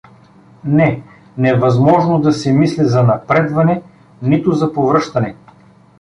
Не, невъзможно да се мисли за напредване, нито за повръщане.